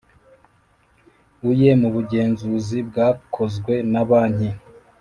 uye mu bugenzuzi bwakozwe na Banki